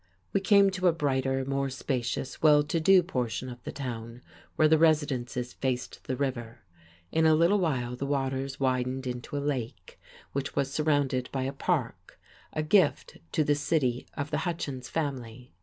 We came to a brighter, more spacious, well to do portion of the town, where the residences faced the river. In a little while the waters widened into a lake, which was surrounded by a park, a gift to the city of the Hutchins family.